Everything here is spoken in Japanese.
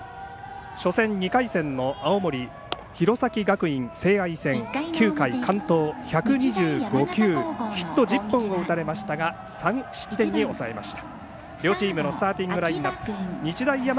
初戦２回戦の青森弘前学院聖愛９回完投、１２５球ヒット１０本を打たれましたが３失点に抑えました。